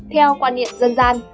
theo quan niệm dân gian